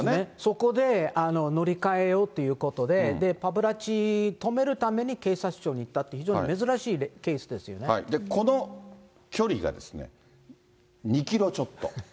そこで乗り換えようということで、パパラッチ止めるために警察署に行ったって、非常に珍しいケースこの距離がですね、２キロちょっと。